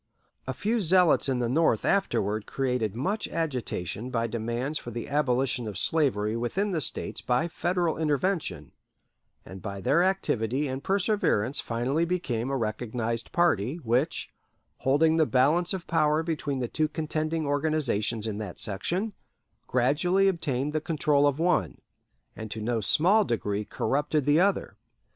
A few zealots in the North afterward created much agitation by demands for the abolition of slavery within the States by Federal intervention, and by their activity and perseverance finally became a recognized party, which, holding the balance of power between the two contending organizations in that section, gradually obtained the control of one, and to no small degree corrupted the other.